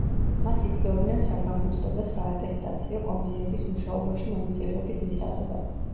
მას იწვევდნენ საგამოცდო და საატესტაციო კომისიების მუშაობაში მონაწილეობის მისაღებად.